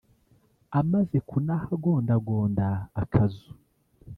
amaze kunahagondagonda akazu